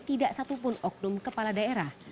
tidak satupun oknum kepala daerah